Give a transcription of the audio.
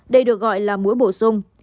đây được gọi là mũi bổ sung